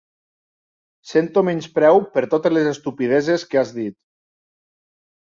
Sento menyspreu per totes les estupideses que has dit.